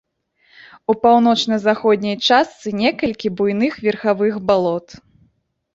У паўночна-заходняй частцы некалькі буйных верхавых балот.